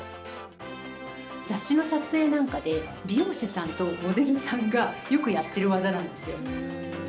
雑誌の撮影なんかで美容師さんとモデルさんがよくやる技なんですよ。